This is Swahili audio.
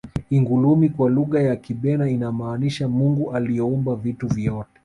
ingulumi kwa lugha ya kibena inamaanisha mungu aliyeumba vitu vyote